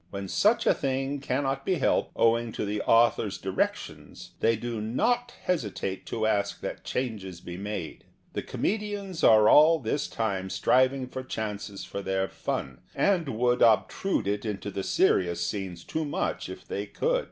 When such a thing cannot be helped, owing to the author's directions, they do not hesitate to ask that changes be made. The comedians are all this time striving for chances for their fun, and would obtrude it into the serious scenes too much if they could.